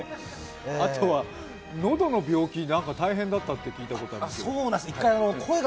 あとは、のどの病気、大変だったって効いたことがありますが。